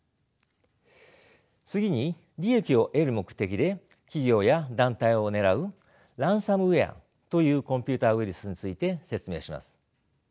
次に利益を得る目的で企業や団体を狙うランサムウェアというコンピューターウイルスについて説明します。